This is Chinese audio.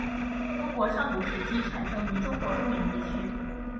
中国上古时期产生于中国中原地区。